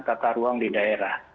tata ruang di daerah